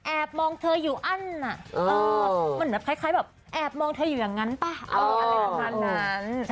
แอบมองเธออยู่อั้นมันแบบคล้ายแบบแอบมองเธอยังงั้นป่ะอะไรสักนาน